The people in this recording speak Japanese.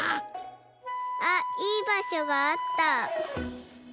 あっいいばしょがあった。